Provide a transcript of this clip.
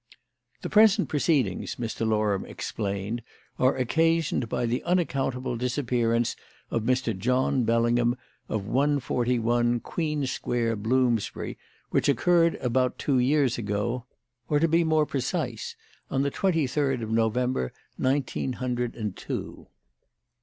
"The present proceedings," Mr. Loram explained, "are occasioned by the unaccountable disappearance of Mr. John Bellingham, of 141 Queen Square, Bloomsbury, which occurred about two years ago, or, to be more precise, on the twenty third of November, nineteen hundred and two.